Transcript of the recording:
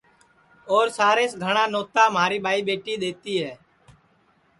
اور سارے سے گھٹؔا نوتا مہاری ٻائی ٻیٹی دؔیتی ہے